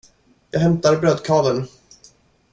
Jag hämtar brödkaveln.